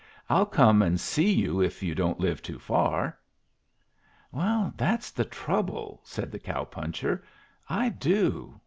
"I'll come and see you if you don't live too far." "That's the trouble," said the cow puncher. "I do.